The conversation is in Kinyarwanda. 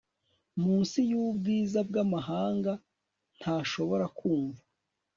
Munsi yubwiza bwamahanga ntashobora kumva